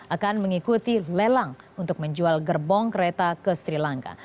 akan mengikuti lelang untuk menjual gerbong kereta ke sri lanka